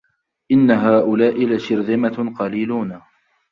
إِنَّ هؤُلاءِ لَشِرذِمَةٌ قَليلونَ